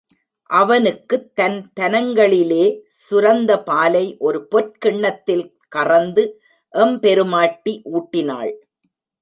அவனுக்குத் தன் தனங்களிலே சுரந்த பாலை ஒரு பொற் கிண்ணத்தில் கறந்து எம் பெருமாட்டி ஊட்டினாள்.